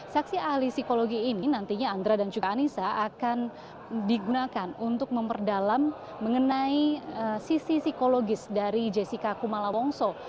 saksi ahli psikologi ini nantinya andra dan juga anissa akan digunakan untuk memperdalam mengenai sisi psikologis dari jessica kumala wongso